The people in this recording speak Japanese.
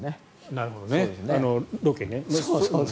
なるほど、ロケね。